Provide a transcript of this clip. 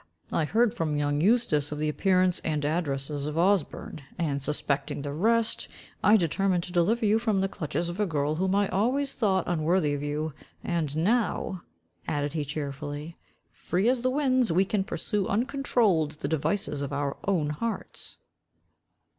I heard from young Eustace of the appearance and addresses of Osborne, and suspecting the rest, I determined to deliver you from the clutches of a girl whom I always thought unworthy of you. And now" added he cheerfully, "free as the winds, we can pursue uncontrolled the devices of our own hearts."